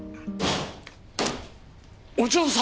お嬢様！？